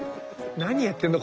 何やってんの？